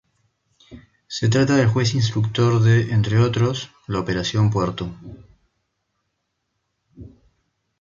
Se trata del juez instructor de, entre otros, la Operación Puerto.